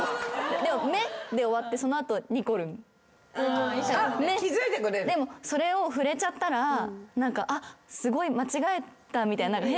でも「め」で終わってその後「にこるん」でもそれを触れちゃったらすごい間違えたみたいな。